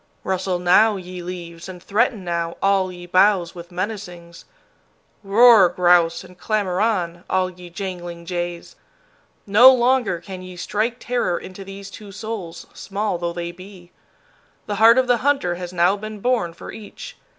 Rustle now, ye leaves, and threaten now, all ye boughs with menacings. Roar, grouse, and clamor on, all ye jangling jays. No longer can ye strike terror into these two souls, small though they be. The heart of the hunter has now been born for each.